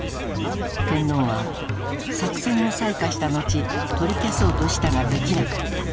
天皇は作戦を裁可した後取り消そうとしたができなかった。